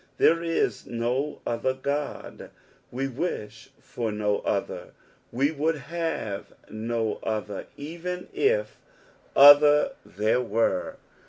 There is no other Ood, we wish for no other, we would have no other even if other there were.